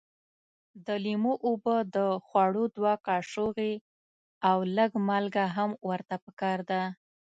د لیمو اوبه د خوړو دوه کاشوغې او لږ مالګه هم ورته پکار ده.